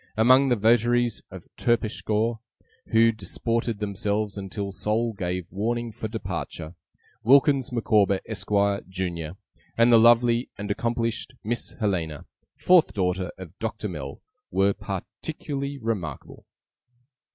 Among the votaries of TERPSICHORE, who disported themselves until Sol gave warning for departure, Wilkins Micawber, Esquire, Junior, and the lovely and accomplished Miss Helena, fourth daughter of Doctor Mell, were particularly remarkable.